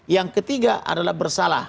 yang ketiga adalah bersalah